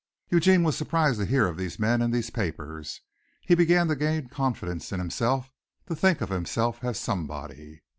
Eugene was surprised to hear of these men and these papers. He began to gain confidence in himself to think of himself as somebody.